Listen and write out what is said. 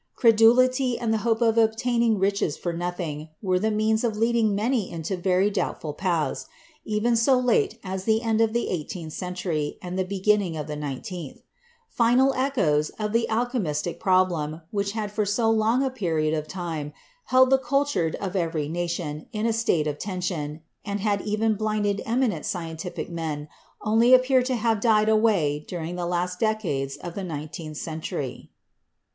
Credulity and the hope of obtaining riches for nothing were the means of leading many into very doubtful paths, even so late as the end of the eighteenth century and the beginning of the nineteenth. The final echoes of the alchemistic THE LATER ALCHEMISTS 47 problem which had for so long a period of time held the cultured of every nation in a state of tension and had even blinded eminent scientific men only appear to have died away during the last decades of the nineteenth century."